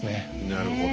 なるほど。